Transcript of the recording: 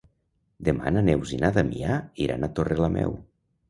Demà na Neus i na Damià iran a Torrelameu.